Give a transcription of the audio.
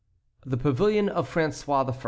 THE PAVILION OF FRANÇOIS I.